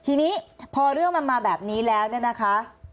ทีนี้พอเรื่องมันมาแบบนี้แล้วเนี่ยนะคะ